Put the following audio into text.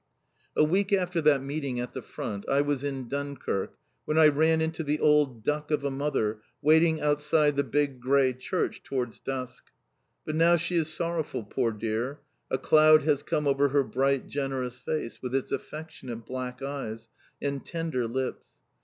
A week after that meeting at the Front I was in Dunkirk when I ran into the old duck of a mother waiting outside the big grey church, towards dusk. But now she is sorrowful, poor dear, a cloud has come over her bright, generous face, with its affectionate black eyes, and tender lips.